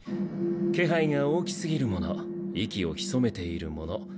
気配が大きすぎるもの息を潜めているもの